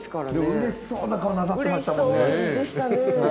うれしそうな顔なさってましたもんね。